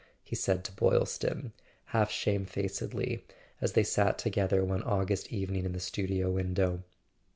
he said to Boylston, half shamefacedly, as they sat together one August evening in the studio window.